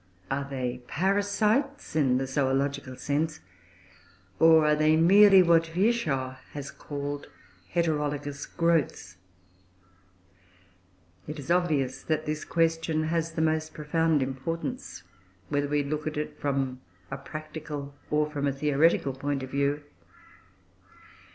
Are they parasites in the zoological sense, or are they merely what Virchow has called "heterologous growths"? It is obvious that this question has the most profound importance, whether we look at it from a practical or from a theoretical point of view.